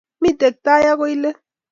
miten tai ago leet